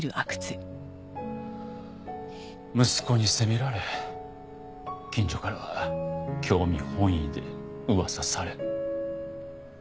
息子に責められ近所からは興味本位で噂され。